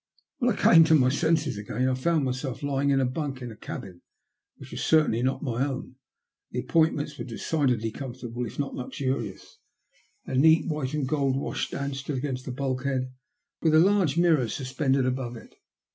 When I came to my senses again I found myself lying in a bunk in a cabin which was certainly not my own. The appointments were decidedly comfortable, if not luxurious; a neat white and gold washstand stood against the bulkhead, with a large mirror sus pended above it.